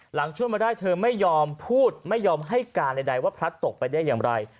หลังช่วยมาได้เธอไม่ยอมพูดไม่ยอมให้การใดว่าพลัดตกไปได้อย่างไร